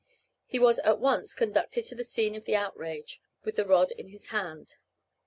He was at once conducted to the scene of the outrage, with the rod in his hand.